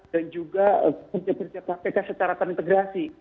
juga kerja kerja kpk secara terintegrasi